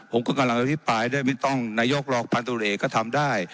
ผมก็กำลังอภิปรายได้ไม่ต้องนายกรัฐมนตรีก็ทำได้